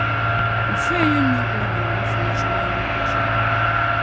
Mufeeyo nnyo okulaba nga mufuna ekiwandiiko kino.